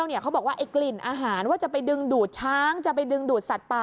ว่าจะไปดึงดูดช้างจะไปดึงดูดสัตว์ป่า